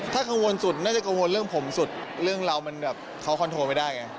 ถ้ากังวลสุดน่าจะกังวลเรื่องผมสุดเรื่องเรามันแบบเขาคอนโทรไม่ได้ไง